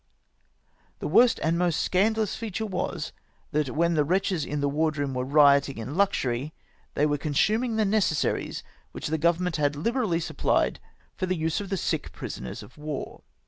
The worst and most scandalous feature was, that when the wretches in the wardroom were rioting in luxury they were consuming the necessaries which the Grovernment had liberally supplied for the use of the sick prisoners of war.